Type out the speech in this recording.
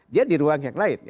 dia di ruang yang lain